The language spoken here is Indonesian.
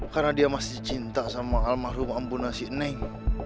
karena dia masih cinta sama al mahrum ampunah si eneng